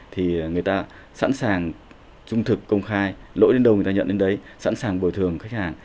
thì người ta sẵn sàng trung thực công khai lỗi đến đâu người ta nhận đến đấy sẵn sàng bồi thường khách hàng